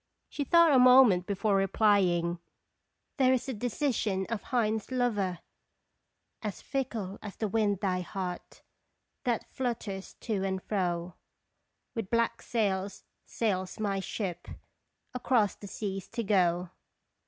She thought a moment before replying: " There is the decision of Heine's lover :" 'As fickle as the wind thy heart That flutters to and fro ; With black sails sails my ship, Across the seas to go."